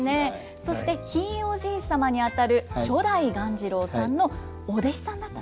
そしてひいおじいさまにあたる初代鴈治郎さんのお弟子さんだったんですね。